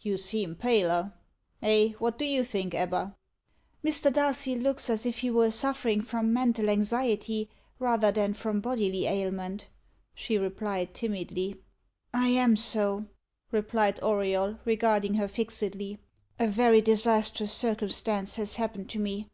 You seem paler eh? what do you think, Ebba?" "Mr. Darcy looks as if he were suffering from mental anxiety rather than from bodily ailment," she replied timidly. "I am so," replied Auriol, regarding her fixedly. "A very disastrous circumstance has happened to me.